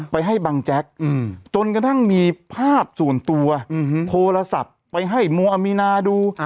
ไปให้บังแจ๊กจนกระทั่งมีภาพส่วนตัวโทรศัพท์ไปให้มัวมีนาดู